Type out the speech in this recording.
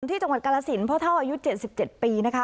ที่จังหวัดกาลสินพ่อเท่าอายุ๗๗ปีนะคะ